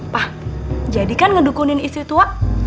pak jadikan ngedukunin istri tua